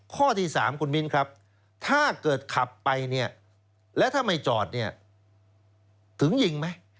ข้อที่๓ขุนมิ้นครับถ้าเกิดขับไปและถ้าไม่จอดถึงยิงไหม